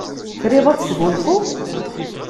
Triḍ ad tesgunfuḍ?